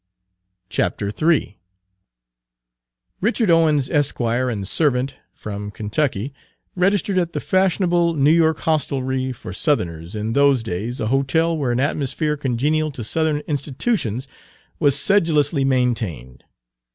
III Richard Owens, Esq., and servant, from Kentucky, registered at the fashionable New York hostelry for Southerners in those days, a hotel where an atmosphere congenial to Page 183 Southern institutions was sedulously maintained.